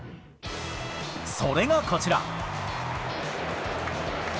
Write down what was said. それがこちら。